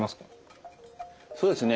そうですね。